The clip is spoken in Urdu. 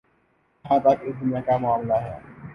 جہاں تک اس دنیا کا معاملہ ہے۔